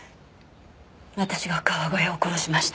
私が川越を殺しました。